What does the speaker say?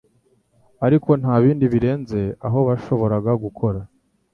Ariko nta bindi birenze aho bashoboraga gukora.